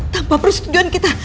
tanpa persetujuan kita